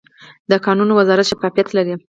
د کانونو وزارت شفافیت لري؟